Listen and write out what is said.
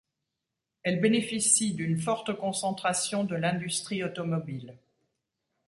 Elle bénéficie d'une forte concentration de l'industrie automobile.